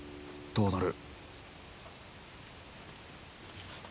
どうなる？